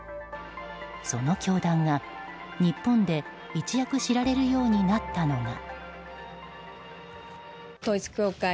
その教団が、日本で一躍知られるようになったのが。